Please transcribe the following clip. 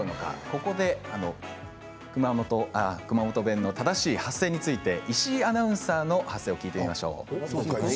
ここで熊本弁の正しい発声について石井アナウンサーの発声を聞いてみましょう。